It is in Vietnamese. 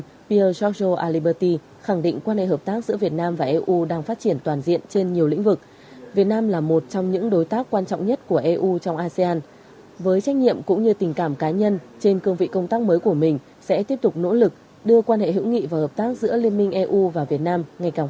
đại sứ pierre giorgio aliberti đã làm việc với đại sứ pierre giorgio aliberti trưởng phái đoàn liên minh châu âu tại việt nam